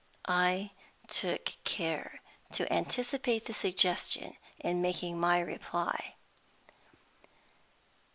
I took care to anticipate the suggestion in making my reply.